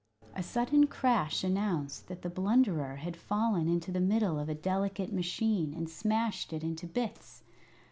A sudden crash announced that the Blunderer had fallen into the middle of a delicate machine and smashed it into bits.